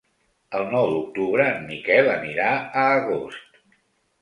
El nou d'octubre en Miquel anirà a Agost.